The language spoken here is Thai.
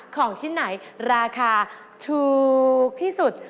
ของชิ้นไหนราคาถูกที่สุด